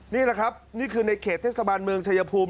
นี่แหละครับนี่คือในเขตเทศบาลเมืองชายภูมิ